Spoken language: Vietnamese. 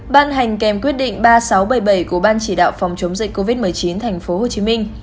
ban hành kèm quyết định ba nghìn sáu trăm bảy mươi bảy của ban chỉ đạo phòng chống dịch covid một mươi chín thành phố hồ chí minh